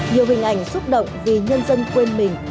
nhiều hình ảnh xúc động vì nhân dân quên mình